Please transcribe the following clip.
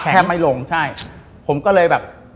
ปากแค่ไม่ลงผมก็เลยแบบ